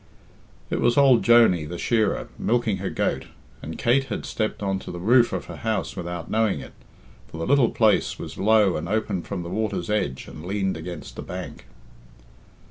It was old Joney, the shearer, milking her goat, and Kate had stepped on to the roof of her house without knowing it, for the little place was low and opened from the water's edge and leaned against the bank.